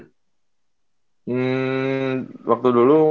hmm waktu dulu enggak